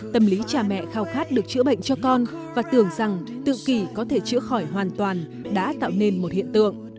tâm lý cha mẹ khao khát được chữa bệnh cho con và tưởng rằng tự kỷ có thể chữa khỏi hoàn toàn đã tạo nên một hiện tượng